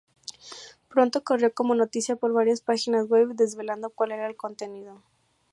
Pronto corrió como noticia por varias páginas web desvelando cual era el contenido.